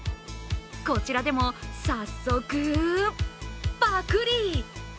こちらでも早速ぱくり！